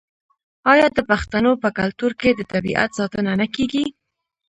آیا د پښتنو په کلتور کې د طبیعت ساتنه نه کیږي؟